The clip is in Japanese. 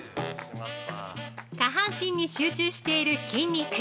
◆下半身に集中している筋肉。